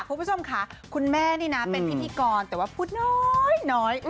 คุณผู้ชมค่ะคุณแม่นี่นะเป็นพิธีกรแต่ว่าพูดน้อย